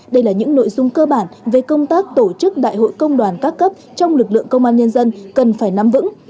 đây là những nội dung cơ bản về công tác tổ chức đại hội công đoàn các cấp trong lực lượng công an nhân dân cần phải nắm vững